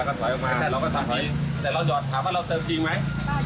เราเสริมเชียวป้าหน่อยครับชิอย่างงี้เติมเงินยังไง